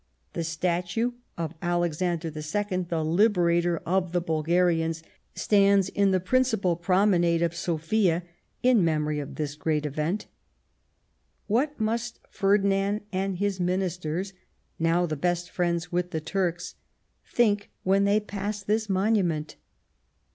The statue of Alexander II, the Liberator of the Bul garians, stands in the principal promenade of Sofia in memory of this great event. What must Ferdi nand and his Ministers, now the best of friends with the Turks, think when they pass this monument